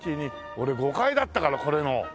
俺５階だったからこれの。